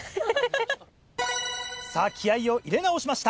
さぁ気合を入れ直しました！